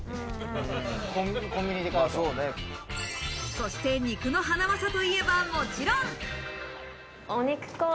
そして肉のハナマサといえば、もちろん。